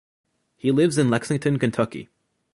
He lives in Lexington, Kentucky.